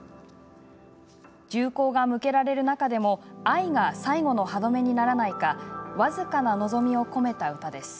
銃口が向けられる中でも愛が最後の歯止めにならないか僅かな望みを込めた歌です。